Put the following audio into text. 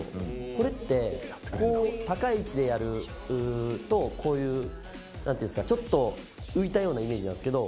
これってこう高い位置でやるとこういうちょっと浮いたようなイメージなんですけど。